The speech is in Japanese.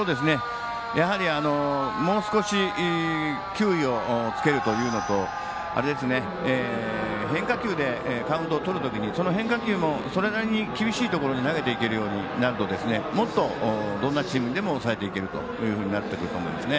やはりもう少し球威をつけるというのと変化球でカウントをとるときにその変化球もそれなりに厳しいところに投げていけるようになるともっとどんなチームでも抑えていけるというようになってくると思います。